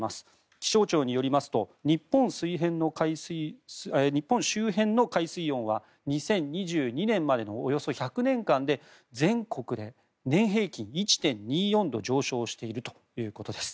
気象庁によりますと日本周辺の海水温は２０２２年までのおよそ１００年間で全国で年平均１．２４度上昇しているということです。